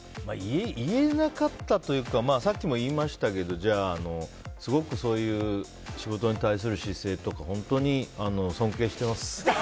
言えなかったというかさっきも言いましたけどすごくそういう仕事に対する姿勢とか本当に尊敬してます。